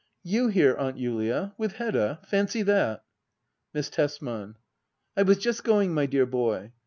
You here. Aunt Julia } With Hedda ? Fancy that! Miss Tesman. I was just going, my dear boy.